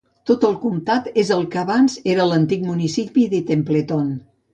Tot el comtat és el que abans era l'antic municipi de Templeton.